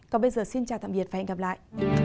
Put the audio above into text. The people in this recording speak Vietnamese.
còn bây giờ xin chào tạm biệt và hẹn gặp lại